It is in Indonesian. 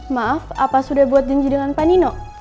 maaf apa sudah buat janji dengan pak nino